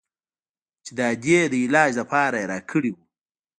چې د ادې د علاج لپاره يې راكړى و.